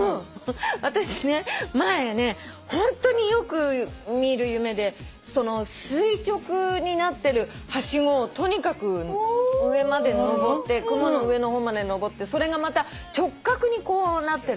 私前ねホントによく見る夢で垂直になってるはしごをとにかく上まで上って雲の上の方まで上ってそれがまた直角にこうなってるのね。